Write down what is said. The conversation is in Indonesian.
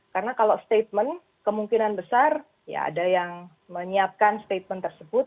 karena kalau statement kemungkinan besar ya ada yang menyiapkan statement tersebut